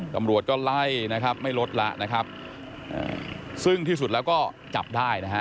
ตำรวจก็ไล่ไม่รถละซึ่งที่สุดแล้วก็จับได้